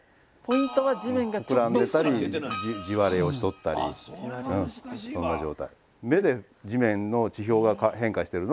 膨らんでたり地割れをしとったりそんな状態。